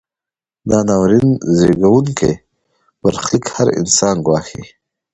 دا ناورین زیږوونکی برخلیک هر انسان ګواښي.